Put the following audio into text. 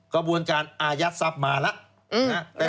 กระบวนการอายัดทรัพย์มาแล้ว